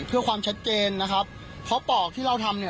เพื่อความชัดเจนนะครับเพราะปอกที่เราทำเนี่ย